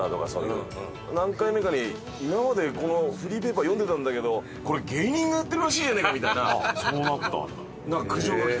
何回目かに「今までこのフリーペーパー読んでたんだけどこれ芸人がやってるらしいじゃねえか」みたいななんか苦情がきて。